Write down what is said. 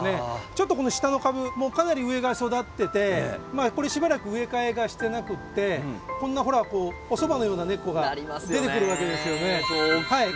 ちょっとこの下の株もうかなり上が育っててこれしばらく植え替えがしてなくってこんなほらおそばのような根っこが出てくるわけですよね。